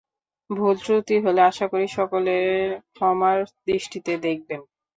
ভূল ত্রুটি হলে আশা করি সকলে ক্ষমার দৃষ্টিতে দেখবেন।